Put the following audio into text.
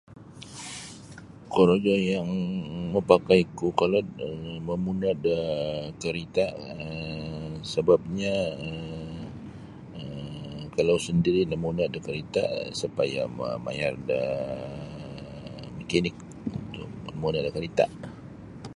Kuro gaya mapakai ku kalau mamuna da karita um sababnya um kalau sendiri namuna da karita isa paya mamayar da mekanik manguoo da karita.